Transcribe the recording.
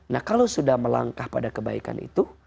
nah kalau sudah melangkah pada kebaikan itu